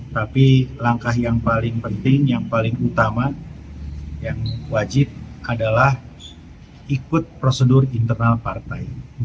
tapi langkah yang paling penting yang paling utama yang wajib adalah ikut prosedur internal partai